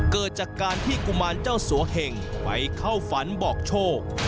เกิดจากการที่กุมารเจ้าสัวเหงไปเข้าฝันบอกโชค